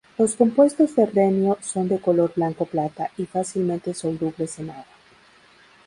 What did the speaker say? Los compuestos de renio son de color blanco-plata y fácilmente solubles en agua.